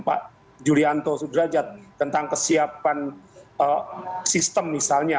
pak juli pak janto sudrajat tentang kesiapan sistem misalnya